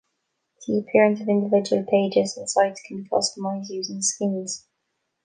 The appearance of individual pages and sites can be customized using skins.